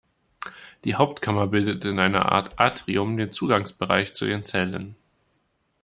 Die Hauptkammer bildet in einer Art Atrium den Zugangsbereich zu den Zellen.